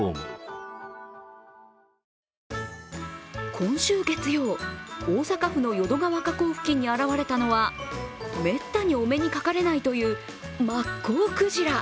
今週月曜、大阪府の淀川河口付近に現れたのはめったにお目にかかれないというマッコウクジラ。